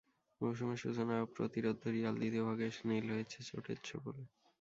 মৌসুমের সূচনায় অপ্রতিরোধ্য রিয়াল দ্বিতীয় ভাগে এসে নীল হয়েছে চোটের ছোবলে।